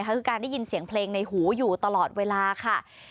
คือการได้ยินเสียงเพลงในหูอยู่ตลอดเวลาค่ะ